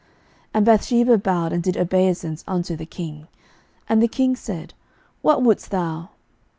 11:001:016 And Bathsheba bowed, and did obeisance unto the king. And the king said, What wouldest thou?